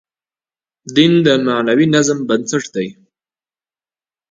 دین د معنوي نظم بنسټ دی.